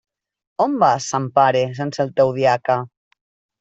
On vas, sant pare, sense el teu diaca?